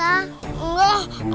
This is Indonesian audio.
aku mau lihat